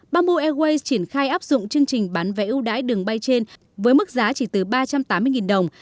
bamboo airways triển khai áp dụng chương trình bán vẽ ưu đãi đường bay trên với mức giá chỉ từ ba trăm tám mươi đồng